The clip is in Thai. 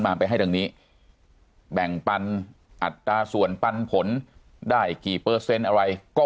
ไปให้ดังนี้แบ่งปันอัตราส่วนปันผลได้กี่เปอร์เซ็นต์อะไรก็